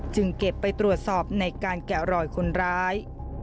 เก็บไปตรวจสอบในการแกะรอยคนร้าย